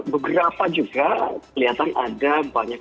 beberapa juga kelihatan ada banyak